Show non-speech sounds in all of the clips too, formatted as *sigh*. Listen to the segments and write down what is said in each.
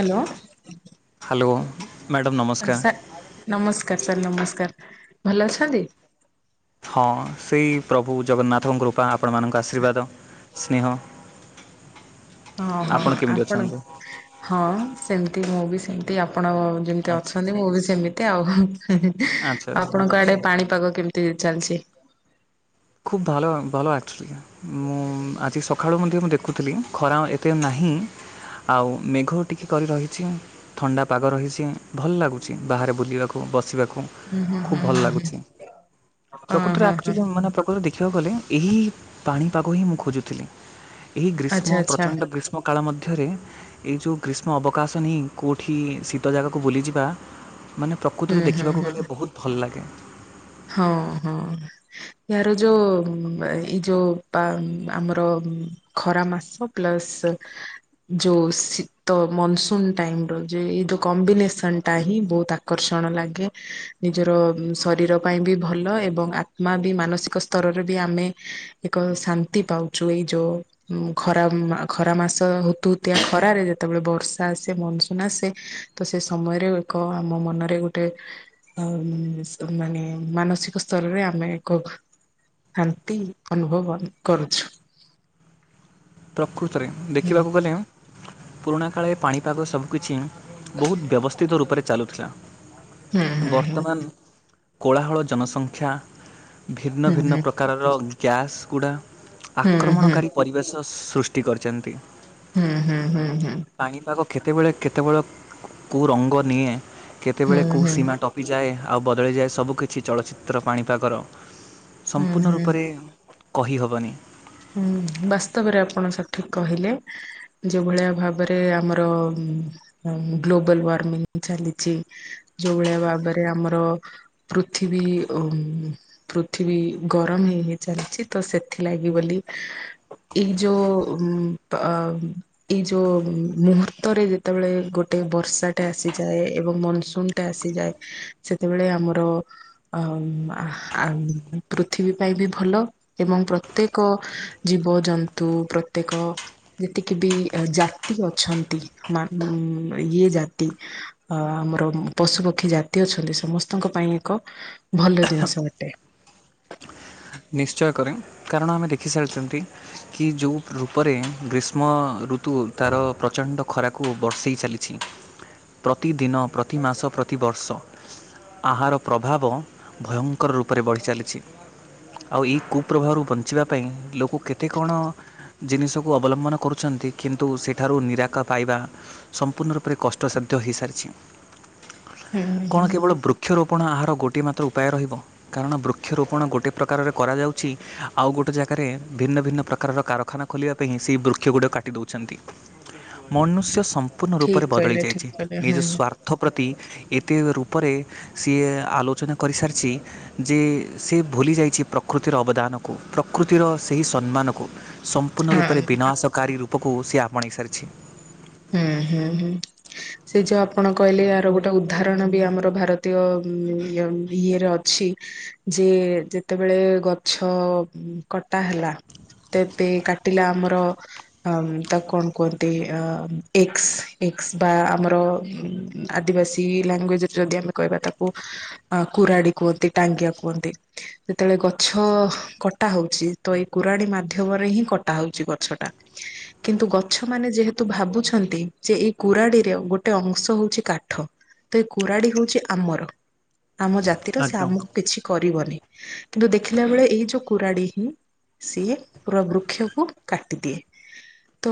Hello. Hello. Sir ନମସ୍କାର୍ sir ନମସ୍କାର୍ ଭଲ ଅଛନ୍ତି। ହଁ ସେଇ ପ୍ରଭୁ ଜଗନ୍ନାଥଙ୍କ କୃପା ଆପଣମାନଙ୍କ ଆର୍ଶୀବାଦ ସ୍ନେହ। ଅ ହଁ କେମିତି ଆପଣ ଅଛନ୍ତି? ହଁ ସେମତି ମୁଁ ବି ସେମତି ଆପଣ ଯେମତି ଆଚ୍ଛା ଆଚ୍ଛା ଅଛନ୍ତି ମୁଁ ବି ସେମିତି ଆଉ ହୁଁ ହୁଁ ଆଚ୍ଛା ଆଚ୍ଛା। ଆପଣଙ୍କ ଆଡେ ପାଣିପାଗ କେମତି ଚାଲିଚି। ଖୁବ ଭଲ ଭଲ ଆକ୍ଚଲି। ମୁଁ ଆଜି ସଖାଳୁ ମଧ୍ୟ ମୁଁ ଦେଖୁଥିଲି ଖରା ଏତେ ନାହିଁ ଆଉ ମେଘ ଟିକି କରି ରହିଛି। ଥଣ୍ଡା ପାଗ ରହିଚି ଭଲ ଲାଗୁଚି ବାହାରେ ବୁଲିବାକୁ ବସିବାକୁ। ହୁଁ ହୁଁ ଖୁବ ହୁଁ ଭଲ ହୁଁ। ଲାଗୁଚି ହଁ ପ୍ରକୃତରେ ହଁ ହଁ ଆକ୍ଚୋଲି ମାନେ ଦେଖିବାକୁ ଗଲେ ଏହି ପାଣିପାଗ ହିଁ ମୁଁ ଖୋଜୁଥିଲି ଏହି ଆଚ୍ଛା ଗ୍ରୀଷ୍ମ ଆଚ୍ଛା ପ୍ରଚଣ୍ଡ ଗ୍ରୀଷ୍ମ କାଳ ମଧ୍ୟରେ ଏଇ ଯୋଉ ଗ୍ରୀଷ୍ମ ଅବକାଶ ନେଇ କୋଉଠି ଶୀତ ଜାଗାକୁ ବୁଲିଯିବା ମାନେ ପ୍ରକୃତରେ ହୁଁ ହୁଁ ଦେଖିବାକୁ ହୁଁ ଗଲେ ବୋହୁତ ଭଲ ଲାଗେ। ହଁ ହଁ। ଏହାର ଯୋଉ ଏଇ ଯୋଉ ପା ଆମର ଖରାମାସ ପ୍ଲସ୍ ଯୋଉ ଶୀତ ମନସୁନ୍ ଟାଇମର ଯେ ଏଇ ଯୋଉ କମ୍ବିନେସନ ଟା ହିଁ ବହୁତ ଆକର୍ଷଣ ଲାଗେ ନିଜର ଶରୀର ପାଇଁ ବି ଭଲ ଏବଂ ଆତ୍ମା ବି ମାନସିକ ସ୍ତରରେ ବି ଆମେ ଏକ ଶାନ୍ତି ପାଉ। ଛୁଇ ଯୋ ଖରା ଖରାମାସ ହତୁହୁତିଆ ଖରାରେ ଯେତବେଳେ ବର୍ଷା ଆସେ ମନସୁନ ଆସେ ତ ସେ ସମୟରେ ଏକ ଆମ ମନରେ ଗୋଟେ ମାନେ ମାନସିକ ସ୍ତରରେ ଆମେ ଏକ ହାନ୍ତି ଅନୁଭବ କରୁଛୁ। ପ୍ରକୃତରେ ହୁଁ ଦେଖିବାକୁ ଗଲେ ପୁରୁଣା କାଳେ ପାଣିପାଗ ସବୁକିଛି ବହୁତ ବ୍ୟବସ୍ଥିତ ରୂପରେ ଚାଲୁଥିଲା। ହୁଁ ହୁଁ ବର୍ତ୍ତମାନ କୋଳାହଳ ଜନସଂଖ୍ୟା ଭିନ୍ନ ହୁଁ ଭିନ୍ନ ହୁଁ ପ୍ର ପ୍ରକାରର ଗ୍ୟାସ୍ ଗୁଦ ହୁଁ ଆକ୍ରମଣକାରୀ ହୁଁ ପରିବେଶ ସୃଷ୍ଟି କରିଛନ୍ତି। ହୁଁ ହୁଁ ହୁଁ ହୁଁ ପାଣିପାଗ କେତେବେଳେ କେତେବେଳେ କୋଉ ରଙ୍ଗ ନିଏ ହୁଁ କେତେବେଳେ କୋଉ ହୁଁ ସୀମା ଟପିଯାଏ ଆଉ ବଦଳିଯାଏ ସବୁକିଛି ଚଳଚ୍ଚିତ୍ର ପାଣିପାଗର ହୁଁ ସମ୍ପୂର୍ଣ୍ଣ ହୁଁ ରୂପରେ କହିହବନି। ହୁଁ ବାସ୍ତବରେ ଆପଣ ସଠିକ୍ କହିଲେ। ଯୋଉ ଭଳିଆ ଭାବରେ ଆମର ଗ୍ଲୋବାଲୱାର୍ମିଂ ଚାଲିଚି ଯୋଉ ଭଳିଆ ଭାବରେ ଆମର ପୃଥିବୀ ଓ ଉ ପୃଥିବୀ ଗରମ ହେଇ ହେଇଚାଲିଛି ତ ସେଥିଲାଗି ବୋଲି ଏ ଯୋ ପ ଏଇ ଯୋଉ ମୁହୂର୍ତ୍ତରେ ଯେତବଳେ ଗୋଟେ ବର୍ଷାଟେ ଆସିଯାଏ ଏବଂ ମନସୁନ ଟା ସେ ଯାଏ ସେତେବେଳେ ଆମର ଅ ଆ ପୃଥିବୀ ପାଇଁ ବି ଭଲ ଏବଂ ପ୍ରତ୍ୟେକ ଜୀବଜନ୍ତୁ ପ୍ରତ୍ୟେକ ଯେତିକି ବି ଜାତି ଅଛନ୍ତି ମା ଉଁ ଇଏ ଜାତି ଅ ଆମର ପଶୁପକ୍ଷୀ ଜାତି ଅଛନ୍ତି ସମସ୍ତଙ୍କ ପାଇଁ ଏକ ଭଲ ଜିନିଷ ଅଟେ। ନିଶ୍ଚୟ କରେ କାରଣ ଆମେ ଦେଖିସାରିଛନ୍ତି କି ଯୋଉ ରୂପରେ ଗ୍ରୀଷ୍ମଋତୁ ତାର ପ୍ରଚଣ୍ଡ ଖରାକୁ ବର୍ଷେଇ ଚାଲି ଛି ପ୍ରତିଦିନ ପ୍ରତିମାସ ପ୍ରତିବର୍ଷ ଆହାର ପ୍ରଭାବ ଭୟଙ୍କର ରୂପରେ ବଢିଚାଲିଛି। ଆଉ ଏଇ କୁପ୍ରଭାବରୁ ବଞ୍ଚିବା ପାଇଁ ଲୋକ କେତେ କଣ ଜିନିଷକୁ ଅବଲମ୍ବନ କରୁଚନ୍ତି କିନ୍ତୁ ସେଠାରୁ ନିରାକା ପାଇବା ସମ୍ପୂର୍ଣ୍ଣ ରୂପରେ କଷ୍ଟସାଧ୍ୟ ହୋଇସାରିଛି। ହୁଁ କଣ ହୁଁ କେବଳ ବୃକ୍ଷରୋପଣ ଆହାର ଗୋଟିଏ ମାତ୍ର ଉପାୟ ରହିବ କାରଣ ବୃକ୍ଷରୋପଣ ଗୋଟି ପ୍ରକାରରେ କରାଯାଉଛି ଆଉ ଗୋଟେ ଜାଗାରେ ଭିନ୍ନ ଭିନ୍ନ ପ୍ରକାରର କାରଖାନା ଖୋଲିବା ପାଇଁ ସେହି ବୃକ୍ଷ ଗୁଡ଼ିଏ କାଟି ମନୁଷ୍ୟ ସମ୍ପୂର୍ଣ୍ଣ ଠିକ ରୂପରେ ବଦଳି କହିଲେ ଠିକ ଯାଇଛି କହିଲେ ନିଜ ହୁଁ ସ୍ଵା ପର୍ଥ ପ୍ରତି ଏତେ ରୂପରେ ସିଏ ଆଲୋଚନା କରିସାରିଛି। ଯେ ସେ ଭୁଲି ଯାଇ କିଛି ପ୍ରକୃତିର ଅବଦାନକୁ ପ୍ରକୃତିର ସେହି ସମ୍ମାନକୁ ସମ୍ପୂର୍ଣ୍ଣ ରୂପରେ ହଁ ବିନାଶକାରୀ ର ପାକୁ ସିଏ ଆପଣେଇ ସାରିଛି। ହୁଁ ହୁଁ ହୁଁ। ସେ ଯୋଉ ଆପଣ କହିଲେ ଏହାର ଗୋଟେ ଉଦାହରଣ ବି ଆମର ଭାରତୀୟ ଇଏରେ ଅଛି। ଯେ ଯେତେବେଳେ ଗଛ କଟା ହେଲା। ତତେ କାଟିଲା ଆମର ଅ ତାକୁ କଣ କୁହନ୍ତି ଅ ଏକ୍ସ ଏକ୍ସ ବା ଆମର ଆଦିବାସୀ ଲାଙ୍ଗୁଏଜ୍ର ଯଦି ଆମେ କହିବା ତାକୁ ଅ କୁରାଡି କୁହନ୍ତି ଟାଙ୍ଗିଆ କୁହନ୍ତି। ଯେତେବେଳେ ଗଛ କଟା ହଉଛି ତ ଏଇ କୋୁରଣୀ ମାଧ୍ୟମରେ ହିଁ କଟା ହଉଛି ଗଛଟା। କିନ୍ତୁ ଗଛ ମାନେ ଯେହେତୁ ଭାବୁଛ ଛନ୍ତି ଯେ ଏଇ କୁରାଡିରେ ଗୋଟେ ଅଂଶ ହଉଛି କାଠ। ତ ଏଇ କୁରାଡି ହଉଛି ଆମର ଆମ ଜାତିର ସେ ଆଜ୍ଞା। ଆମକୁ କିଛି କରିବନି। କିନ୍ତୁ ଦେଖିଲା ବେଳେ ଏଇ ଯୋଉ କୁରାଡି ହିଁ ସିଏ ପୁରା ବୃକ୍ଷକୁ କାଟିଦିଏ ତ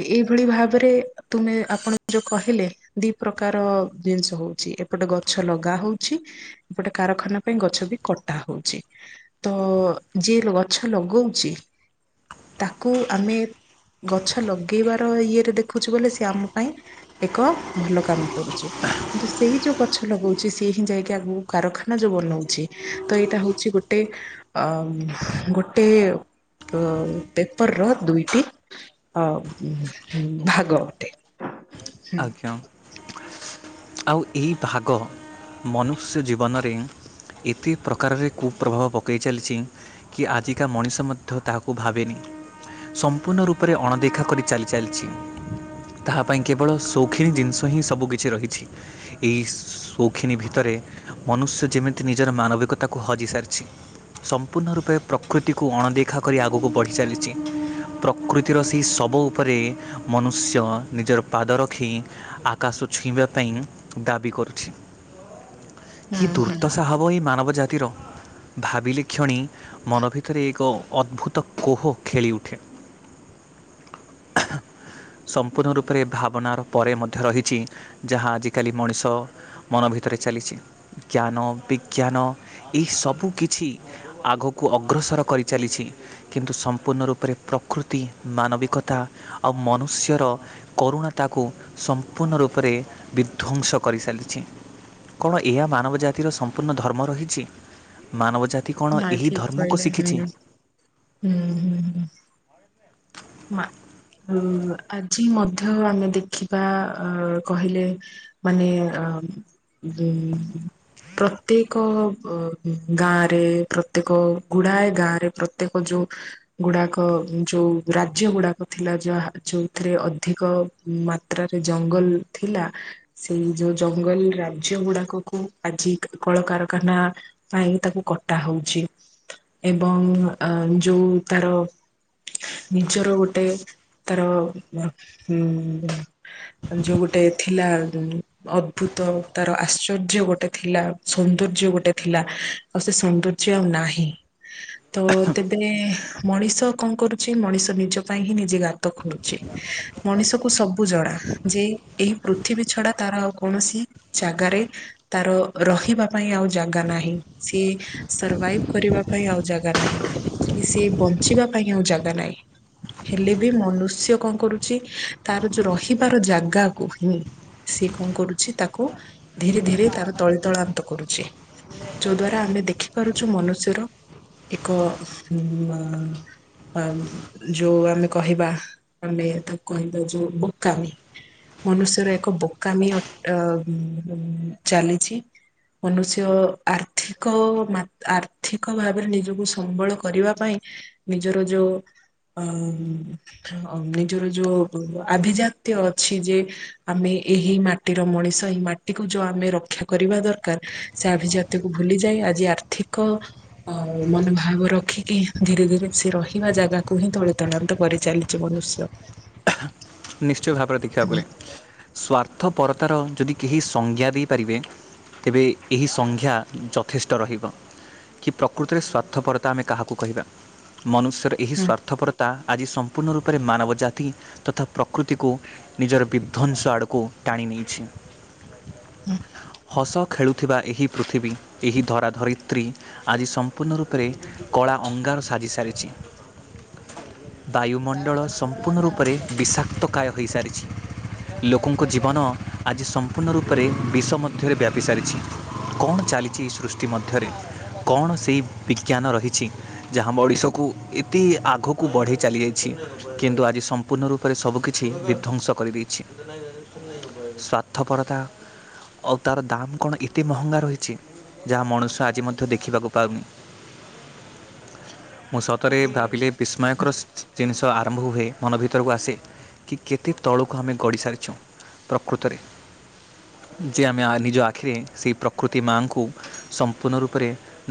ଏଇଭଳି ଭାବରେ ତୁମେ ଆପଣ ଯୋଉ କହିଲେ? ଦି ପ୍ରକାର ଜିନିଷ ହଉଛି ଏପଟେ ଗଛ ଲଗା ହଉଛି ଏପଟେ କାରଖାନା ପାଇଁ ଗଛ ବି କଟା ହଉଛି। ତ ଯିଏ ଗଛ ଲଗଉଛି ତାକୁ ଆମେ ଗଛ ଲଗେଇବାର ଇଏରେ ଦେଖୁଛୁ ବୋଲି ସିଏ ଆମ ପାଇଁ ଏକ ଭଲ କାମ କରୁଛି। କିନ୍ତୁ ସେଇ ଯୋଉ ଗଛ ଲଗଉଛି ସିଏ ହିଁ ଯାଇକି ଆଗକୁ କାରଖାନା ଯୋଉ ବନଉଛି ତ ଏଇଟା ହଉଛି ଗୋଟେ ଅ ଗୋଟେ ଅ ପେପର ର ଦୁଇଟି ଅ ଭାଗ ଅଟେ। ହୁଁ ଆଜ୍ଞା। ଆଉ ଏହି ଭାଗ ମନୁଷ୍ୟ ଜୀବନରେ ଏତେ ପ୍ରକାରରେ କୁପ୍ରଭାବ ପକାଇ ଚାଲିଛି କି ଆଜିକା ମଣିଷ ମଧ୍ୟ ତାହାକୁ ଭାବେନି। ସମ୍ପୂର୍ଣ୍ଣ ରୂପରେ ଅଣଦେଖା କରି ଚାଲି ଚାଲିଛି ତାହା ପାଇଁ କେ କେବଳ ଶୌଖିିନୀ ଜିନିଷ ହିଁ ସବୁ କିିଛି ରହିଛି ଏହି ସୌଖିନୀ ଭିତରେ ମନୁଷ୍ୟ ଯେମିତି ନିଜର ମାନବିକତାକୁ ହଜି ସାରିଛି ସମ୍ପୂର୍ଣ୍ଣ ରୂପେ ପ୍ରକୃତିକୁ ଅଣଦେଖା କରି ଆଗକୁ ବଢ଼ି ଚାଲିଛି। ପ୍ରକୃତିର ସେହି ଶବ ଉପରେ ମନୁଷ୍ୟ ନିଜର ପାଦ ରଖି ଆକାଶ ଛୁଇଁବା ପାଇଁ ଦାବି କରୁଛି। କି ହୁଁ ହୁଁ ଦୁର୍ଦ୍ଦଶା ହବ ଏଇ ମାନବ ଜାତିର। ଭାବିଲେ କ୍ଷଣି ମନ ଭିତରେ ଏକ ଅଦ୍ଭୁତ କୋହ ଖେଳି ଉଠେ। ସମ୍ପୂର୍ଣ୍ଣ ରୂପ ଉପରେ ଭାବନାର ପରେ ମଧ୍ୟ ରହିଛି ଯାହା ଆଜିକାଲି ମଣିଷ ମନ ଭିତରେ ଚାଲିଛି। ଜ୍ଞାନ ବିଜ୍ଞାନ ଏଇ ସବୁ କିଛି ଆଗକୁ ଅଗ୍ରସର କରିଚାଲିଛି। କିନ୍ତୁ ସମ୍ପୂର୍ଣ୍ଣ ରୂପରେ ପ୍ରକୃତି ମାନବିକତା ଆଉ ମନୁଷ୍ୟର କରୁଣା ତାକୁ ସମ୍ପୂର୍ଣ୍ଣ ରୂପରେ ବିଧ୍ଵଂସ କରିସାଲିଛି। କଣ ଏଇଆ ମାନବ ଜାତିର ସମ୍ପୂର୍ଣ୍ଣ ଧର୍ମ ରହିଛି। ମାନବ ଜାତି କଣ ନାଇଁ ଏହି ଠିକ ଧର୍ମକୁ କହିଲେ ହୁଁ ଶିଖିଛି? ହୁଁ ହୁଁ ହୁଁ! ଆଜି ମଧ୍ୟ ଆମେ ଦେଖିବା କହିଲେ ମାନେ ବୁଁ ପ୍ରତ୍ୟେକ ଗାଁରେ ପ୍ରତ୍ୟେକ ଗୁଡ଼ାଏ ଗାଁରେ ପ୍ରତ୍ୟେକ ଯୋଉ ଗୁଡାକ ଯଉ ରାଜ୍ୟ ଗୁଡ଼ାକ ଥିଲା ଯାହା ଯେଉଁଥିରେ ଅଧିକ ମାତ୍ରାରେ ଜଙ୍ଗଲ ଥିଲା। ସେଇ ଯୋଉ ଜଙ୍ଗଲ ରାଜ୍ୟ ଗୁଡାକକୁ ଆଜି କଳକାରଖାନା ପାଇଁ ତାକୁ କଟା ହଉଛି। ଏବଂ ଅ ଯୋଉ ତାର ନିଜର ଗୋଟେ ତାର ଉଁ ଯୋଉ ଗୋଟେ ଥିଲା ଅଦ୍ଭୁତ ତାର ଆଶ୍ଚର୍ଯ୍ୟ ଗୋଟେ ଥିଲା ସୌନ୍ଦର୍ଯ୍ୟ ଗୋଟେ ଥିଲା। ଆଉ ସେ ସୌନ୍ଦର୍ଯ୍ୟ ଆଉ ନାହିଁ। ତ ତେବେ ନେ ମଣିଷ କଣ କରୁଛି ଏ ମଣିଷ ନିଜ ପାଇଁ ହିଁ ନିଜେ ଗାତ ଖୋଳୁଛି। ମଣିଷକୁ ସବୁ ଜଣାା ଯେ ଏହି ପୃଥିବୀ ଛଡା ତାର ଆଉ କୌଣସି ଜାଗାରେ ତାର ରହିବା ପାଇଁ ଆଉ ଜାଗା ନାହିଁ। ସିଏ ସର୍ଭାଇଭ୍ କରିବା ପାଇଁ ଆଉ ଜାଗା ନାହିଁ କି ସେ ବଞ୍ଚିବା ପାଇଁ ଆଉ ଜାଗା ନାହିଁ। ହେଲେ ବି ମନୁଷ୍ୟ କଣ କରୁଛି ତାର ଯୋଉ ରହିବାର ଜାଗାକୁ ହିଁ ସେ କଣ କରୁଛି, ତାକୁ ଧୀରେ ଧୀରେ ତାର ତଳି ତଳାନ୍ତ କରୁଛି। ଯେଉଁ ଦ୍ୱାରା ଆମେ ଦେଖିପାରୁଛୁ ମନୁଷ୍ୟର ଏକ ଆମ ଯେଉଁ ଆମେ କହିବା, ଆମେ ତାକୁ କହିଦେଉଛୁ ବୋକାମି। ମନୁଷ୍ୟର ଏକ ବୋକାମି ଅଟ ଆଁ ଚାଲିଛି। ମନୁଷ୍ୟ ଆର୍ଥିକ ମାତ ଆର୍ଥିକ ଭାବରେ ନିଜକୁ ସମ୍ବଳ କରିବା ପାଇଁ ନିଜର ଯୋଉ ଅ ନିଜର ଯୋଉ ଆଭିଜାତ୍ୟ ଅଛି ଯେ ଆମେ ଏହି ମାଟିର ମଣିଷ ଏଇ ମାଟି ତିକୁ ଯୋଉ ଆମେ ରକ୍ଷା କରିବା ଦରକାର ସେ ଆଭିଜାତ୍ୟକୁ ଭୁଲି ତେ ଆଜି ଆର୍ଥିକ ମନୋଭାବ ରଖିକି ଧୀରେ ଧୀରେ ସେ ରହିବା ଜାଗାକୁ ହିଁ ତଳି ତଳାନ୍ତ କରିଚାଲିଛି ମନୁଷ୍ୟ। ନିଶ୍ଚୟ ଭାବରେ ଦେଖିବା କୁ ଗଲେ। ସ୍ୱାର୍ଥପରତାର ଯଦି କେହି ସଂଜ୍ଞା ଦେଇପାରିବେ ତେବେ ଏହି ସଂଜ୍ଞା ଯଥେଷ୍ଟ ରହିବ। କି ପ୍ରକୃତିରେ ସ୍ୱାର୍ଥପରତା ଆମେ କାହାକୁ କହିବା ମନୁଷ୍ୟର ଏହି ସ୍ୱାର୍ଥପରତା ଆଜି ସ ପୂର୍ଣ ରୂପରେ ମାନବ ଜାତି ତି ତଥା ପ୍ରକୃତିକୁ ନିଜର ବିଧ୍ଵଂସ ଆଡକୁ ଟାଣି ନେଇଛି। ହସ ଖେଳୁଥିବା ଏହି ପୃଥିବୀ ଏହି ଧରାଧରିତ୍ରୀ ଆଜି ସମ୍ପୂର୍ଣ୍ଣ ରୂପରେ କଳା ଅଙ୍ଗାର ସାଜି ସାରିଛି। ବାୟୁମଣ୍ଡଳ ସମ୍ ମ୍ପୂର୍ଣ୍ଣ ରୂପରେ ବିଷାକ୍ତକାୟ ହୋଇସାରିଛି। ଲୋକଙ୍କ ଜୀବନ ଆଜି ସମ୍ ସମ୍ପୂର୍ଣ୍ଣ ରୂପରେ ବିଷ ମଧ୍ୟରେ ବ୍ୟାପି ସାରିଛି। କଣ ଚାଲିଛି ଏହି ସୃଷ୍ଟି ମଧ୍ୟରେ? କଣ ସେଇ ବିଜ୍ଞାନ ରହିଛି? ଯାହା‌ ମଣିଷ କୁ ଏତେ ଆଗକୁ ବଢ଼େଇ ଚାଲିଯାଇଛି। କିନ୍ତୁ ଆଜି ସମ୍ପୂର୍ଣ୍ଣ ରୂପରେ ସବୁକିଛି ବିଧ୍ୱଂସ କରିଦେଇଛି। ସ୍ୟାର୍ଥପରତା ଆଉ ତାର ଦାମ୍ କଣ ଏତେ ମହଙ୍ଗା ରହିଛି? ଯାହା ମନୁଷ୍ୟ ଆଜି ମଧ୍ୟ ଦେଖିବାକୁ ପାଉନି। *inaudible* ମୁଁ ସତରେ ଏବେ ଭାବିଲେ ବିସ୍ମୟକର ସ ଜିନିଷ ହା ଆରମ୍ଭ ହୁଏ ମନ ଭିତରକୁ ଆସେ କି କେତେ ତଳକୁ ଆମେ ଗଡି ସାରିଛୁ। ପ୍ରକୃତରେ ଯେ ଆମେ ନିଜ ଆଖିରେ ସେଇ ପ୍ରକୃତି ମାଙ୍କୁ ସମ୍ପୂର୍ଣ୍ଣ ରୂପରେ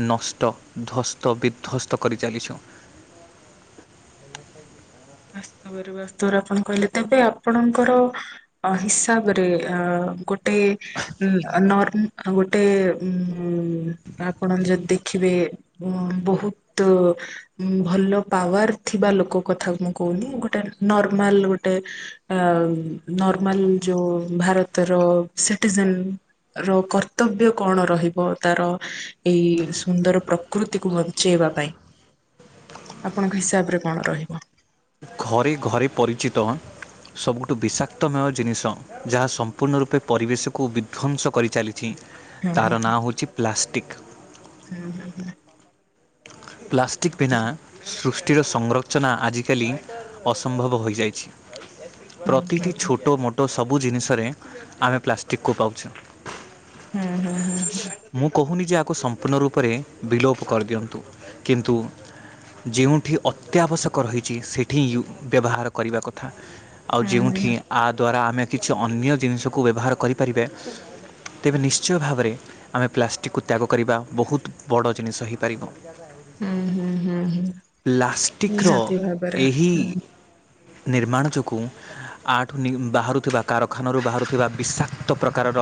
ନଷ୍ଟ ଧ୍ଵସ୍ତ ବିଧ୍ଵସ୍ତ କରିଚାଲିଛୁ। ବାସ୍ତବରେ ବାସ୍ତବରେ ଆପଣ କହିଲେ ତେବେ ଆପଣଙ୍କର ଅ ହିସାବରେ ଅ ଗୋଟେ ନ ଗୋଟେ ଉ ଆପଣ ଯଦି ଦେଖିବେ ବହୁତ ଭଲ ପାୱାର ଥିବା ଲୋକ କଥା ମୁ କହୁନି ଗୋଟେ ନର୍ମାଲ ଗୋଟେ ନର୍ମାଲ ଯୋଉ ଭାରତର ସିଟିଜେନ ର କର୍ତ୍ତବ୍ୟ କଣ ରହିବ ତାର ଏଇ ସୁନ୍ଦର ପ୍ରକୃତିକୁ ବଞ୍ଚେଇବା ପାଇଁ? ଆପଣଙ୍କ ହିସାବରେ କଣ ରହିବ? ଘରେ ଘରେ ପରିଚିତ ସବୁଠୁ ବିଷାକ୍ତମେୟ ଜିନିଷ ଯାହା ସମ୍ପୂର୍ଣ୍ଣ ରୂପେ ପରିବେଶକୁ ବିଧ୍ୱଂସ କରିଚାଲି ହୁଁ ତାର ନାଁ ହେଉଛି ପ୍ଲାଷ୍ଟିକ୍। ହୁଁ ହୁଁ ହୁଁ। ପ୍ଲାଷ୍ଟିକ ବିନା ସୃଷ୍ଟିର ସଂରଚନା ଆଜିକାଲି ଅସମ୍ଭବ ହୋଇଯାଇଛି। ପ୍ରତିଟି ଛୋଟ ମୋଟ ସବୁ ଜିନିଷରେ ଆମେ ପ୍ଲାଷ୍ଟିକୁ ପାଉଛେ। ହୁଁ ହୁଁ ହୁଁ ହଁ। ମୁଁ କହୁନି ଯେ ଏହାକୁ ସମ୍ପୂର୍ଣ୍ଣ ରୂପରେ ବିଲୋପ କରିଦିଅନ୍ତୁ କିନ୍ତୁ ଯେଉଁଠି ଅତ୍ୟାବଶ୍ୟକ ରହିଛି ସେଠି *unintelligible* ବ୍ୟବହାର କରିବା କଥା। ଆଉ ଯେଉଁଠି ନିହାତି ଆ ଦ୍ଵାରା ଆମେ କିଛି ଅନ୍ୟ ଜିନିଷକୁ ବ୍ୟବହାର କରିପାରିବେ ତେବେ ନିଶ୍ଚୟ ଭାବରେ ଆମେ ପ୍ଲାଷ୍ଟିକକୁ ତ୍ୟାଗ କରିବା ବହୁତ୍ ବଡ଼ ଜିନିଷ ହୋଇପାରିବ। ପ୍ଲାଷ୍ଟିକ୍ ର ଭାବରେ ଏହି ହୁଁ ନିର୍ମାଣ ଯୋଗୁଁ ଆଠୁ ବାହାରୁଥିବା କାରଖାନାରୁ ବାହାରୁଥିବା ବିଷାକ୍ତ ପ୍ରକାରର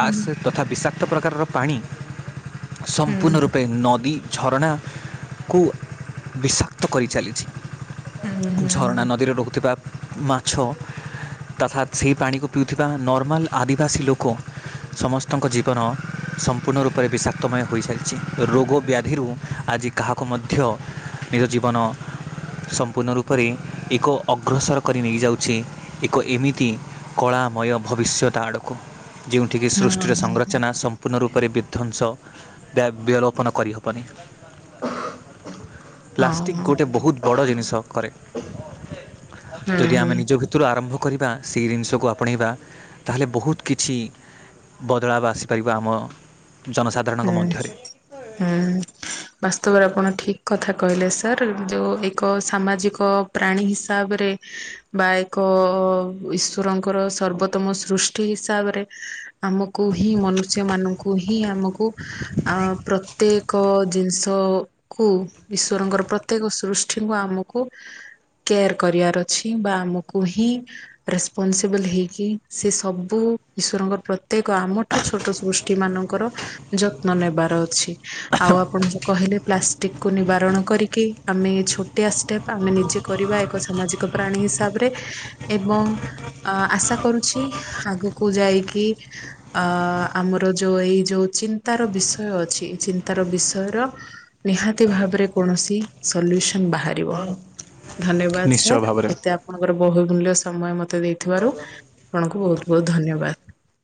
ହୁଁ ତଥା ବିଷାକ୍ତ ପ୍ରକାରର ପାଣି ସମ୍ପୂର୍ଣ୍ଣ ହୁଁ ରୂପେ ନ ଦୀ ଝରଣାକୁ ବିଷାକ୍ତ କରିଚାଲିଛି। ହୁଁ ହୁଁ ଝରଣା ହୁଁ ନଦୀରେ ରହୁଥିବା ମାଛ ତଥାତ୍ ସେହି ପାଣିକୁ ପିଉଥିବା ନର୍ମାଲ୍ ଆଦିବାସୀ ଲୋକ ସମସ୍ତଙ୍କ ଜୀବନ ସମ୍ପୂର୍ଣ୍ଣ ରୂପରେ ବିଷାକ୍ତମୟ ହୋଇଚାଲିଛି, ରୋଗ ବ୍ୟାଧିରୁ ଆଜି କାହାକୁ ମଧ୍ୟ ନିଜ ଜୀବନ ସମ୍ପୂର୍ଣ୍ଣ ରୂପରେ ଏକ ଅଗ୍ରସର କରି ନେଇଯାଉଛି ଏକ ଏମିତି କଳାମୟ ଭବିଷ୍ୟତ ଆଡ଼କୁ। ଯେଉଁଠିକି ହଁ ସୃଷ୍ଟିର ହଁ ହଁ ହଁ ହଁ ସଂରଚନା ସମ୍ପୂର୍ଣ୍ଣ ରୂପରେ ବିଧ୍ୱଂସ ବଲୋପନ *unintelligible* ହଁ ପ୍ଲାଷ୍ଟିକ୍ ଗୋଟେ ବହୁତ୍ ବଡ଼ ଜିନିଷ କରେ, ଯଦି ହଁ ଆମେ ହୁଁ *unintelligible* ଥିରୁ ଆରମ୍ଭ କରିବା ସେହି ଜିନିଷକୁ ଆପଣେଇବା ତାହେଲେ ବହୁତ୍ କିଛି ବଦଳାବ ଆସିପାରିବ ଆମ ଜନ ହୁଁ-ହୁଁ ବାସ୍ତବରେ ଆପଣ ଠିକ୍ କଥା କହିଲେ ସାର୍, ଯୋଉ ଏକ ସାମାଜିକ ପ୍ରାଣୀ ହିସାବରେ ବା ଏକ ଈଶ୍ୱରଙ୍କର ସର୍ବୋତ୍ତମ ସୃଷ୍ଟି ହିସାବରେ ଆମକୁ ହିଁ ମନୁଷ୍ୟ ମାନଙ୍କୁ ହିଁ ଆମକୁ କୁ ଅ ପ୍ରତ୍ୟେକ ଜିନିଷ କୁ ଈଶ୍ୱରଙ୍କର ପ୍ରତ୍ୟେକ ସୃଷ୍ଟିଙ୍କୁ ଆମକୁ କେୟାର୍ କରିବାର ଅଛି ବା ଆମକୁ ହିଁ ରେସ୍ପନସିବଲ୍ ହେଇକି ସେ ସବୁ ଈଶ୍ୱରଙ୍କର ପ୍ରତ୍ୟେକ ଆମ ଠୁ ଛୋଟ ସୃଷ୍ଟି ମାନଙ୍କର ଯତ୍ନ ନେବାର ଅଛି, ଆଉ ଆପଣ ଯୋଉ କହିଲେ ପ୍ଲାଷ୍ଟିକ୍ କୁ ନିବାରଣ କରିକି ଆମେ ଛୋଟିଆ ଷ୍ଟେପ୍ ଆମେ ନିଜେ କରିବା ଏକ ସାମାଜିକ ପ୍ରାଣୀ ହିସାବ୍ ରେ। ଏବଂ ଅ ଆଶା କରୁଛି ଆଗକୁ ଯାଇକି ଅ ଆମର ଯୋଉ ଏଇ ଯୋଉ ଚିନ୍ତାର ବିଷୟ ଅଛି ଚିନ୍ତାର ବିଷୟର ନିହାତି ଭାବରେ କୌଣସି ସଲ୍ୟୁସନ୍ ବାହାରିବ। ଧନ୍ୟବାଦ୍ ନିଶ୍ଚୟ ସାର୍ ଭାବରେ ଏତେ ଆପଣଙ୍କର ବହୁମୂଲ୍ୟ ସମୟ ମତେ ଦେଇଥିବାରୁ। ଆପଣଙ୍କୁ ବହୁତ୍-ବହୁତ୍ ଧନ୍ୟବାଦ୍।